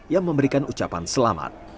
yang memberikan ucapan selamat